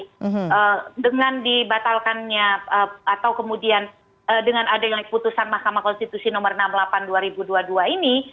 karena dengan dibatalkannya atau kemudian dengan adil putusan mahkamah konstitusi no enam puluh delapan dua ribu dua puluh dua ini